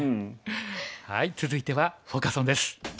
続いてはフォーカス・オンです。